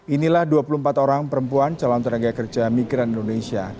inilah dua puluh empat orang perempuan calon tenaga kerja migran indonesia